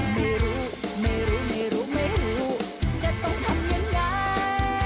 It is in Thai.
ไม่รู้ไม่รู้ไม่รู้ไม่รู้จะต้องทำยังไง